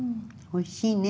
おいしいね。